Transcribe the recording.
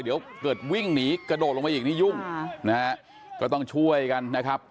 เดี๋ยวเกิดวิ่งหนีกระโดดลงมาอีกนี่ยุ่งนะฮะก็ต้องช่วยกันนะครับ